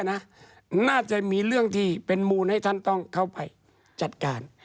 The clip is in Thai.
น่าจะมีเรื่องที่เป็นมูลให้ท่านต้องเข้าไปจัดการ